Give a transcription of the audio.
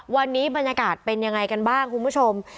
วันนี้บรรยากาศเป็นยังไงกันบ้างคุณผู้ชม